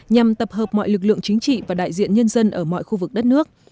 nhằm tập hợp mọi lực lượng chính trị và đại diện nhân dân ở mọi khu vực đất nước